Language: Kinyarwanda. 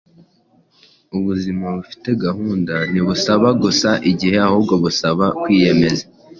Ubuzima bufite gahunda ntibusaba gusa igihe, ahubwo busaba kwiyemeza,